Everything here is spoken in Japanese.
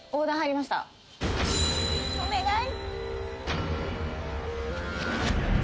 お願い！